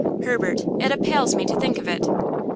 Herbert, it appals me to think of it!"